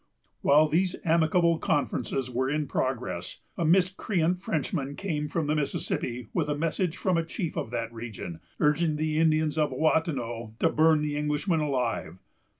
While these amicable conferences were in progress, a miscreant Frenchman came from the Mississippi with a message from a chief of that region, urging the Indians of Ouatanon to burn the Englishman alive.